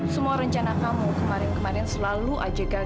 semua rencana kamu kemarin kemarin selalu aja gagal